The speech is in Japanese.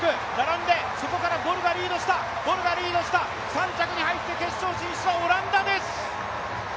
３着に入って決勝進出はオランダです。